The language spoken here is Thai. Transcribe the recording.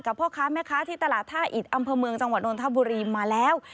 พ่อค้าแม่ค้าที่ตลาดท่าอิดอำเภอเมืองจังหวัดนทบุรีมาแล้ว